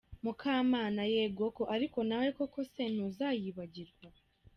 Mukamana: yegoko! Ariko nawe! Koko se ntuzayibagirwa?.